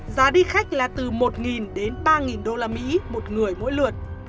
giá đi khách là từ một đến ba usd một người mỗi lượt